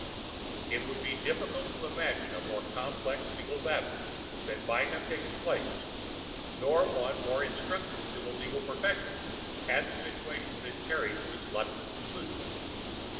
It would be difficult to imagine a more complex legal battle than might have taken place, nor one more instructive to the legal profession, had the situation been carried to its logical conclusion.